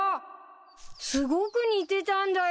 すごく似てたんだよ！